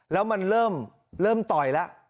แล้วมันเริ่มต่อยแล้ว